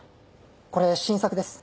これ新作です。